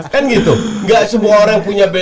kan gitu gak semua orang punya